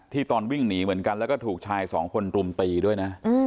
ตอนวิ่งหนีเหมือนกันแล้วก็ถูกชายสองคนรุมตีด้วยนะ